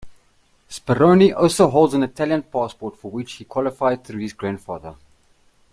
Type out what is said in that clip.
Speroni also holds an Italian passport, for which he qualified through his grandfather.